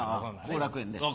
後楽園で。